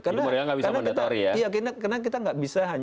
karena kita nggak bisa hanya sekedar menghitam